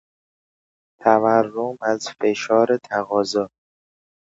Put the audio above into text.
تورم از فشار تقاضا